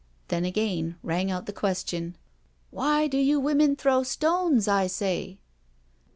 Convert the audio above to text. Then again rang out the question: " Why do you women throw stones, I say?"